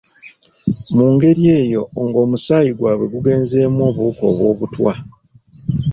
Mu ngeri eyo ng’omusaayi gwabwe gugenzeemu obuwuka obw’obutwa.